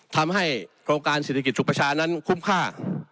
ทำให้โครงการเศรษฐกิจสุขประชานั้นคุ้มค่า